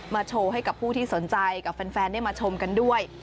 โชว์ให้กับผู้ที่สนใจกับแฟนได้มาชมกันด้วย